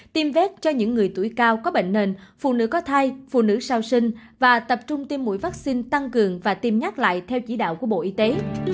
tiêm vét cho những người tuổi cao có bệnh nền phụ nữ có thai phụ nữ sau sinh và tập trung tiêm mũi vaccine tăng cường và tiêm nhắc lại theo chỉ đạo của bộ y tế